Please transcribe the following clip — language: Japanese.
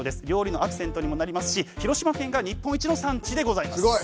りょうりのアクセントにもなりますし広島県が日本一のさん地でございます。